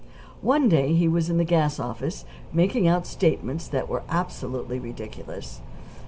One day he was in the gas office, making out statements that were absolutely ridiculous.